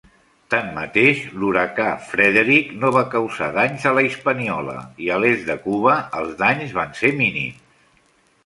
Tanmateix, l'huracà Frederic no va causar danys a la Hispaniola i a l'est de Cuba els danys van ser mínims.